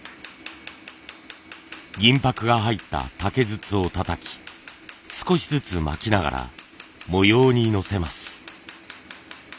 銀ぱくが入った竹筒をたたき少しずつまきながら模様にのせます。